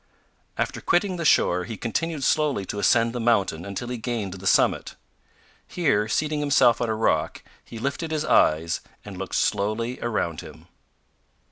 After quitting the shore he continued slowly to ascend the mountain until he gained the summit. Here, seating himself on a rock, he lifted his eyes and looked slowly around him.